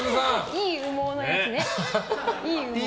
いい羽毛のやつね。